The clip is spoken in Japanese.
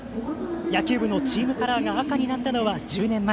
野球部のチームカラーが赤になったのは１０年前。